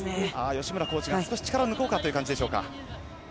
吉村コーチが、少し力を抜こうかという感じでしょうか。